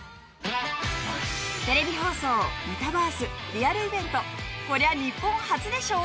テレビ放送メタバースリアルイベントこりゃ日本初でしょ！？